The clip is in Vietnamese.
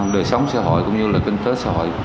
đời sống xã hội cũng như là kinh tế xã hội